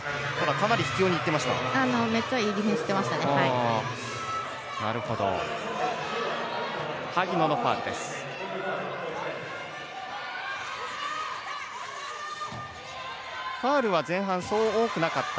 かなり執ようにいってました。